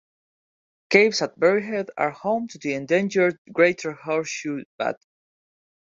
Caves at Berry Head are home to the endangered greater horseshoe bat.